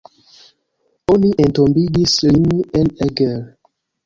Oni entombigis lin en Eger.